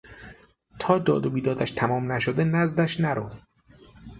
تا داد و بیدادش تمام نشده نزدش نرو.